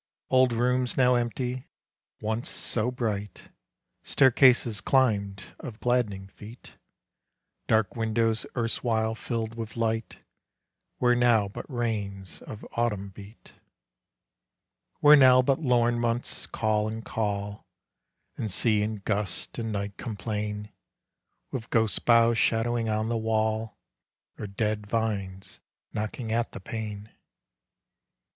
Old rooms now empty, once so bright, Staircases climbed of gladdening feet, Dark windows erstwhile filled with light Where now but rains of autumn beat: Where now but lorn months call and call And sea and gust and night complain, With ghost boughs shadowing on the wall, Or dead vines knocking at the pane.